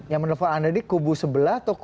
yang menelpon anda ini kubu sebelah atau kubu